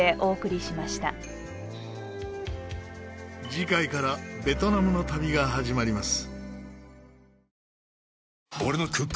次回からベトナムの旅が始まります。